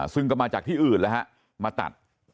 ซึ่งก็มาจากที่อื่นแล้วฮะมาตัด